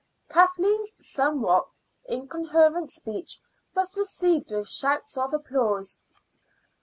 Kathleen's somewhat incoherent speech was received with shouts of applause.